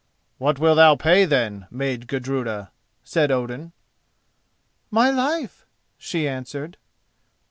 "What wilt thou pay, then, maid Gudruda?" said Odin. "My life," she answered.